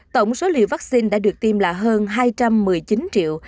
tổng số liều vaccine đã được tiêm là hơn hai trăm một mươi chín triệu